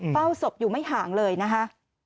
เฝ้าศพอยู่ไม่ห่างเลยนะคะ